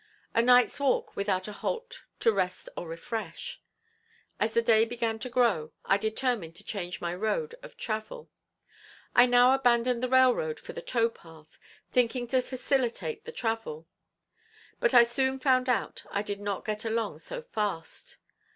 A night's walk without a halt to rest or refresh. As the day began to grow I determined to change my road of travel. I now abandoned the railroad for the tow path, thinking to facilitate the travel; but I soon found out I did not get along so fast.